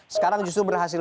sekarang justru berhasil